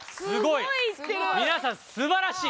皆さん素晴らしい！